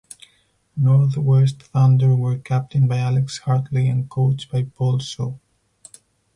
North West Thunder were captained by Alex Hartley and coached by Paul Shaw.